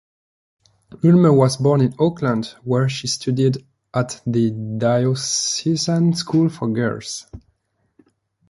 Ulmer was born in Auckland, where she studied at the Diocesan School for Girls.